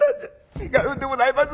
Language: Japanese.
違うんでございます